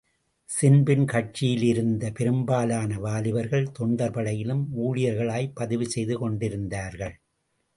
ஸின்பின் கட்சியிலிருந்த பெரும்பாலான வாலிபர்கள் தொண்டர்படையிலும் ஊழியர்களாய்ப் பதிவு செய்து கொண்டிருந்தார்கள்.